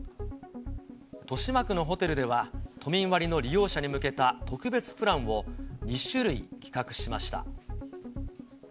豊島区のホテルでは、都民割の利用者に向けた特別プランを２種類企画しました。